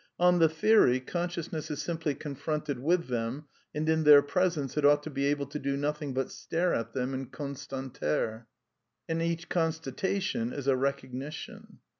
On the theory, con sciousness is BiLply confronted with them, and in their presence it ought to be able to do nothing but stare at them and constater. And each constatation is a recognition.